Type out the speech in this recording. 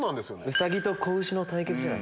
ウサギと仔牛の対決じゃない？